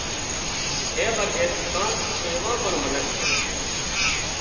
اين وڳير ڪانڪ ايوان پڻ منک سي